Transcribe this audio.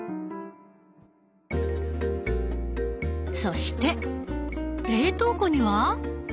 そして冷凍庫には？